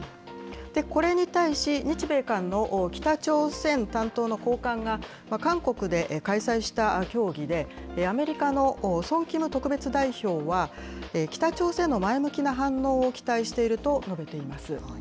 これに対し、日米韓の北朝鮮担当の高官が、韓国で開催した協議で、アメリカのソン・キム特別代表は、北朝鮮の前向きな反応を期待していると述べています。